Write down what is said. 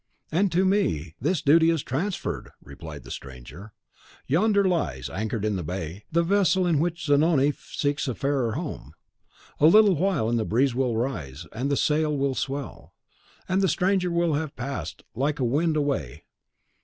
"And to me his duty is transferred," replied the stranger. "Yonder lies, anchored in the bay, the vessel in which Zanoni seeks a fairer home; a little while and the breeze will rise, the sail will swell; and the stranger will have passed, like a wind, away.